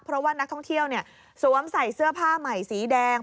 เพราะว่านักท่องเที่ยวสวมใส่เสื้อผ้าใหม่สีแดง